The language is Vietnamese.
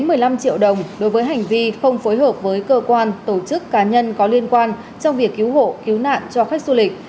một mươi năm triệu đồng đối với hành vi không phối hợp với cơ quan tổ chức cá nhân có liên quan trong việc cứu hộ cứu nạn cho khách du lịch